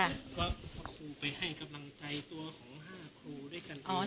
เพราะครูไปให้กำลังใจตัวของ๕ครูด้วยกัน